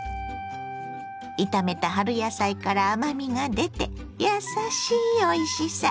炒めた春野菜から甘みが出てやさしいおいしさ。